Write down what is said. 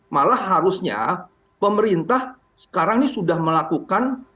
malah harusnya pemerintah sekarang ini sudah melakukan